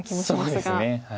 そうですね。